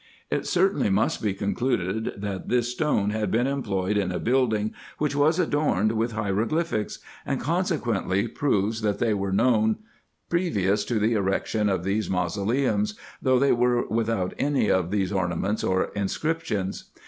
It certainly must be concluded, that this stone had been employed in a building, which was adorned with hieroglyphics, and consequently proves, that they were known previous to the erection of these mausoleums, though they were without any of these ornaments or inscriptions.